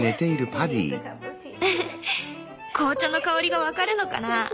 紅茶の香りが分かるのかな。